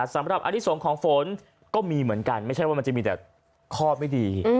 สำหรับอนิสงฆ์ของฝนก็มีเหมือนกันไม่ใช่ว่ามันจะมีแต่ข้อไม่ดี